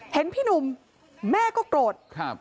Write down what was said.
เห็นพี่หนุ่มแม่ก็โกรธ